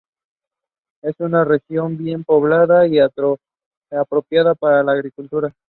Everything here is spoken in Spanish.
Es una región bien poblada y apropiada para la agricultura.